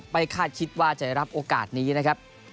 คาดคิดว่าจะรับโอกาสนี้นะครับ